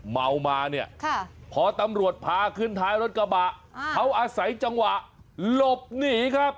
เมามาเนี่ยพอตำรวจพาขึ้นท้ายรถกระบะเขาอาศัยจังหวะหลบหนีครับ